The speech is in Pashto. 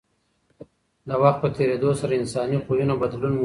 د وخت په تېرېدو سره انساني خویونه بدلون مومي.